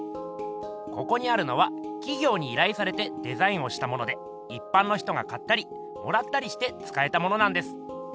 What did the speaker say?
ここにあるのはきぎょうにいらいされてデザインをしたものでいっぱんの人が買ったりもらったりしてつかえたものなんです。